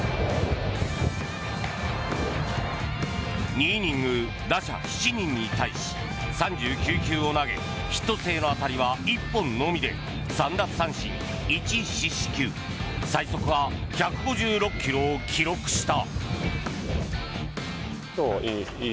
２イニング、打者７人に対し３９球を投げヒット性の当たりは１本のみで３奪三振、１四球最速は１５６ｋｍを記録した。